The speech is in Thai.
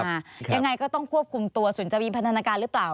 ยังไงก็ต้องควบคุมตัวส่วนจะมีพันธนาการหรือเปล่า